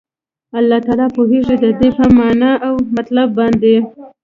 الله تعالی پوهيږي ددي په معنا او مطلب باندي